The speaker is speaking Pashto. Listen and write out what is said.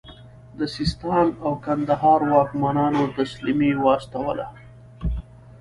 د سیستان او کندهار واکمنانو تسلیمي واستوله.